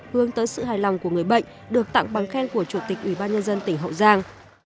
hướng tới sự hài lòng của người bệnh được tặng bằng khen của chủ tịch ủy ban nhân dân tỉnh hậu giang